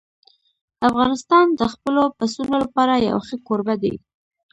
افغانستان د خپلو پسونو لپاره یو ښه کوربه دی.